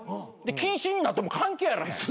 謹慎になっても関係あらへん。